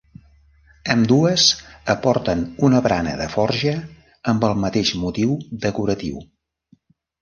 Ambdues aporten una barana de forja amb el mateix motiu decoratiu.